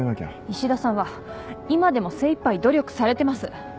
石田さんは今でも精いっぱい努力されてます。